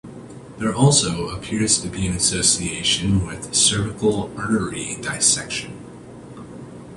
There also appears to be an association with cervical artery dissection.